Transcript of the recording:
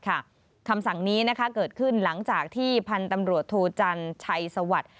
คำสั่งนี้เกิดขึ้นหลังจากที่พันธ์ตำรวจโทจันชัยสวัสดิ์